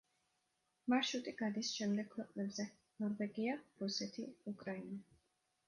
მარშრუტი გადის შემდეგ ქვეყნებზე: ნორვეგია, რუსეთი, უკრაინა.